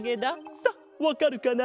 さあわかるかな？